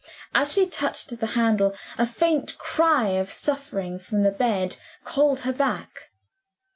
As she touched the handle a faint cry of suffering from the bed called her back.